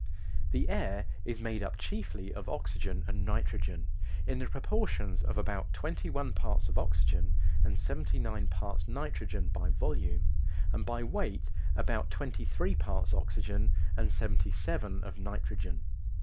The air is made up chiefly of oxygen and nitrogen, in the proportions of about twenty one parts of oxygen and seventy nine parts nitrogen by volume, and by weight about twenty three parts oxygen and seventy seven of nitrogen.